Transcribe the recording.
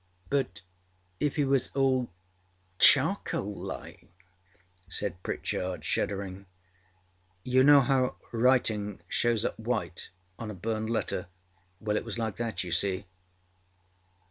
â âBut if he was all charcoal like?â said Pritchard, shuddering. âYou know how writing shows up white on a burned letter? Well, it was like that, you see.